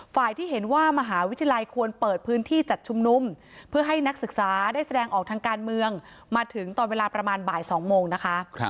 ที่เห็นว่ามหาวิทยาลัยควรเปิดพื้นที่จัดชุมนุมเพื่อให้นักศึกษาได้แสดงออกทางการเมืองมาถึงตอนเวลาประมาณบ่าย๒โมงนะคะ